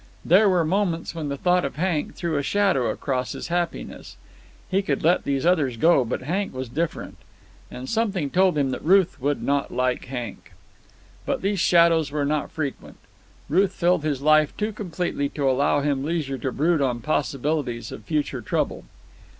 There were moments when the thought of Hank threw a shadow across his happiness. He could let these others go, but Hank was different. And something told him that Ruth would not like Hank. But these shadows were not frequent. Ruth filled his life too completely to allow him leisure to brood on possibilities of future trouble.